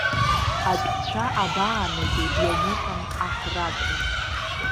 Атәцәа абаанагеи ианыҟам аҳратәра?!